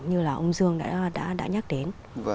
như là ông dương đã nhắc đến